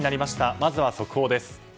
まずは速報です。